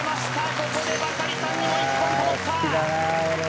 ここでバカリさんにも１本灯った」